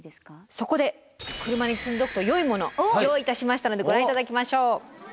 そこで車に積んでおくとよいモノ用意いたしましたのでご覧頂きましょう。